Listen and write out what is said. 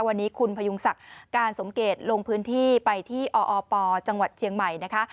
วันนี้คุณพยุงศักดิ์การสมเกตลงพื้นที่ไปที่ออปจังหวัดเชียงใหม่นะคะ